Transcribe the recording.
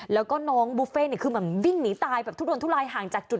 แล้วก็น้องบุฟเฟ่เนี่ยคือเหมือนวิ่งหนีตายแบบทุดนทุลายห่างจากจุด